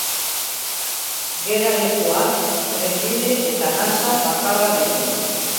Geralekuak trenbide eta nasa bakarra ditu.